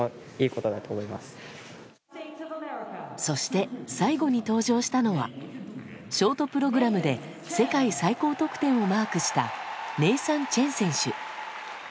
そして、最後に登場したのはショートプログラムで世界最高得点をマークしたネイサン・チェン選手。